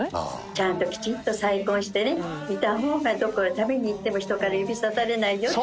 ちゃんときちんと再婚してねいた方がどこへ食べに行っても人から指さされないよって。